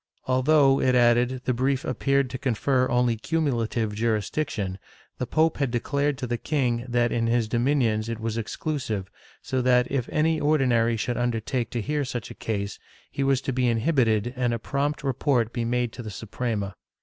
Although, it added, the brief appeared to confer only cumulative jurisdiction, the pope had declared to the king that in his dominions it was exclusive so that, if any Ordinary should undertake to hear such a case, he was to be inhibited and a prompt report be made to the Suprema.